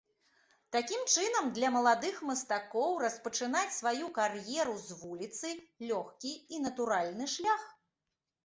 Такім чынам, для маладых мастакоў распачынаць сваю кар'еру з вуліцы лёгкі і натуральны шлях.